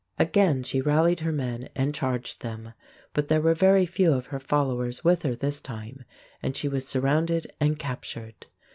Again she rallied her men and charged them. But there were very few of her followers with her this time, and she was surrounded and captured.